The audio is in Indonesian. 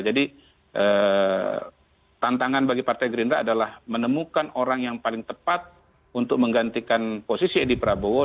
jadi tantangan bagi partai gerindra adalah menemukan orang yang paling tepat untuk menggantikan posisi edi prabowo